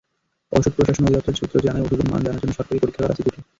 ওষুধ প্রশাসন অধিদপ্তর সূত্র জানায়, ওষুধের মান জানার জন্য সরকারি পরীক্ষাগার আছে দুটি।